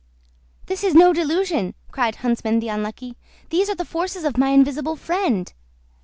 "This is no delusion!" cried Huntsman the Unlucky. "These are the forces of my invisible friend."